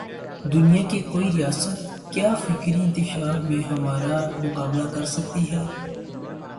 دنیا کی کوئی ریاست کیا فکری انتشار میں ہمارا مقابلہ کر سکتی ہے؟